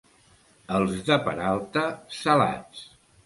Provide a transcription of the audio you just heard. Els de Peralta, salats.